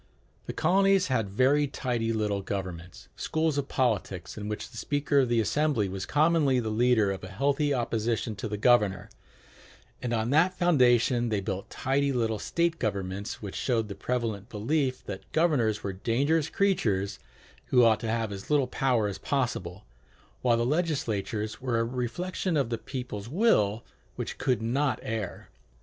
The colonies had very tidy little governments, schools of politics, in which the speaker of the assembly was commonly the leader of a healthy opposition to the governor; and on that foundation they built tidy little state governments, which showed the prevalent belief that governors were dangerous creatures who ought to have as little power as possible; while legislatures were a reflection of the people's will which could not err.